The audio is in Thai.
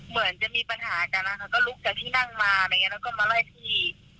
เหมือนจะมีปัญหากันนะคะก็ลุกจากที่นั่งมาอะไรอย่างเงี้แล้วก็มาไล่ที่